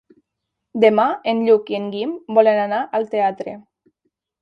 Demà en Lluc i en Guim volen anar al teatre.